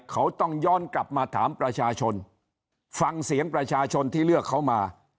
เขาต้องย้อนกลับมาถามประชาชนฟังเสียงประชาชนที่เลือกเขามา